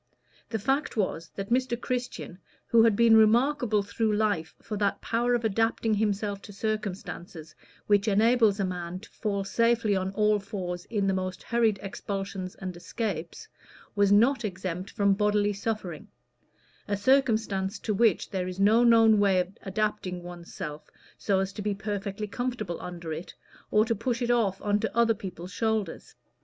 The fact was that Mr. Christian, who had been remarkable through life for that power of adapting himself to circumstances which enables a man to fall safely on all fours in the most hurried expulsions and escapes, was not exempt from bodily suffering a circumstance to which there is no known way of adapting one's self so as to be perfectly comfortable under it, or to push it off on to other people's shoulders.